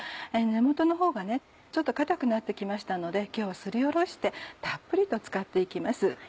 根元のほうがちょっと硬くなって来ましたので今日はすりおろしてたっぷりと使って行きます。